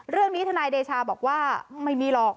เรื่องนี้ธนายเดชาบอกว่าไม่มีหรอก